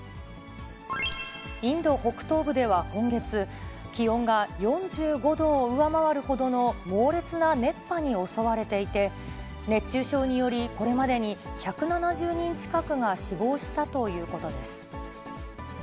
インド北東部では今月、気温が４５度を上回るほどの猛烈な熱波に襲われていて、熱中症により、これまでに１７０人近くが死亡したということです。